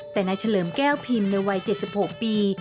แต่นายเฉลิมแก้วพิมพ์ในวัย๗๖ปี